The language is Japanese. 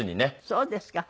そうですか。